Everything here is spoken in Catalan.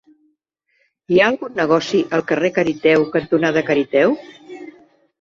Hi ha algun negoci al carrer Cariteo cantonada Cariteo?